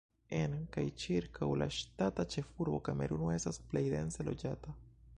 En kaj ĉirkaŭ la ŝtata ĉefurbo Kameruno estas plej dense loĝata.